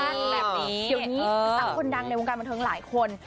เดี๋ยวนี้สาวคนดังในวงการบันเทิงหลายคน